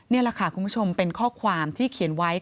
นี่แหละค่ะคุณผู้ชมเป็นข้อความที่เขียนไว้